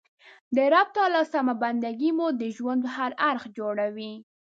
د رب تعالی سمه بنده ګي مو د ژوند هر اړخ جوړوي.